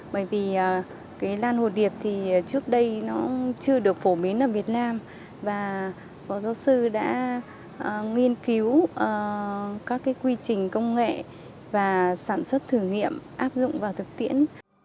bởi vì cái lan hồ điệp thì trước đây nó chưa được phổ biến ở việt nam và phó giáo sư đã nghiên cứu các cái quy trình công nghệ và sản xuất thử nghiệm áp dụng vào thực tiễn